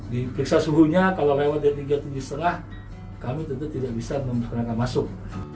diperiksa suhunya kalau lewat dari tiga tiga puluh kami tentu tidak bisa memperkenalkan masuk